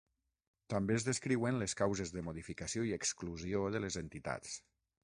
També es descriuen les causes de modificació i exclusió de les entitats.